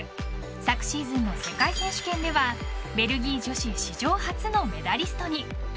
昨シーズンの世界選手権ではベルギー女子史上初のメダリストに。